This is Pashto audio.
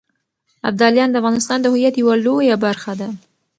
ابداليان د افغانستان د هویت يوه لويه برخه ده.